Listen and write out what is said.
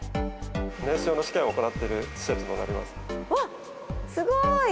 燃焼の試験を行っている施設あっ、すごい。